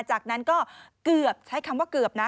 จากนั้นก็เกือบใช้คำว่าเกือบนะ